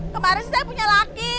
kemarin saya punya laki